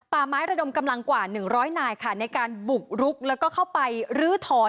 ป่าไม้ระดมกำลังกว่า๑๐๐นายค่ะในการบุกรุกแล้วก็เข้าไปลื้อถอน